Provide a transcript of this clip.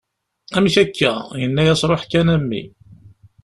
Amek akka? Yenna-as ruḥ kan a mmi.